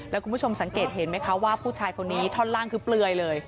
แล้วคุณผู้ชมสังเกตเห็นไหมคะว่าผู้ชายคนนี้ท่อนล่างคือเปลือยเลย